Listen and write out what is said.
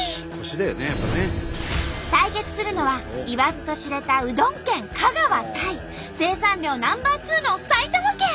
対決するのは言わずと知れたうどん県香川対生産量Ｎｏ．２の埼玉県。